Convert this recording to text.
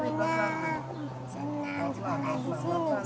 senang sekolah di sini